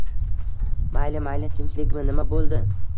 Mayli, mayli, tinchlikmi, nima bo`ldi